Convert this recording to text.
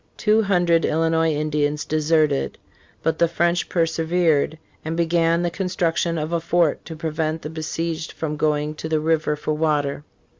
Two hundred Illinois Indians deserted. But the French persevered, and began the construction of a fort to prevent the besieged from going to the river for water.